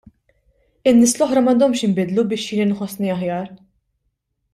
In-nies l-oħra m'għandhomx jinbidlu biex jien inħossni aħjar.